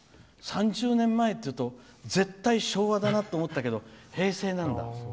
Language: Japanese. ３０年前っていうと絶対、昭和だなって思ってたけど平成なんだ。